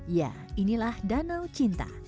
ya inilah danau cinta